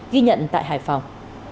ghi nhận tại hải phòng